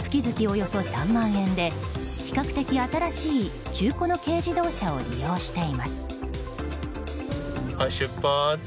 およそ３万円で比較的新しい中古の軽自動車を利用しています。